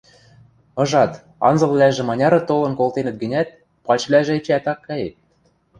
– Ыжат, анзылвлӓжӹ маняры толын колтенӹт гӹнят, пачвлӓжӹ эчеӓт ак каеп...